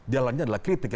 jalannya adalah kritik